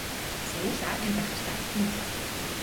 Se usa en Rajastán, India.